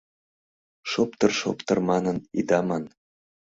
«Шоптыр-шоптыр» манын ида ман.